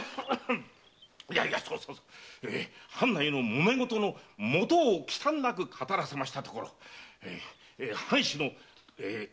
いやそうそう藩内のもめ事のもとを忌憚なく語らせたところ藩主・田原備中